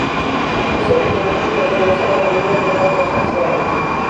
Especie de planta que pertenece a la familia de las Rosaceae.